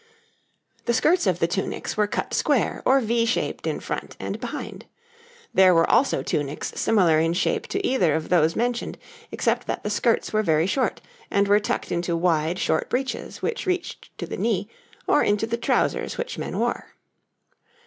The skirts of the tunics were cut square or V shaped in front and behind. There were also tunics similar in shape to either of those mentioned, except that the skirts were very short, and were tucked into wide, short breeches which reached to the knee, or into the trousers which men wore.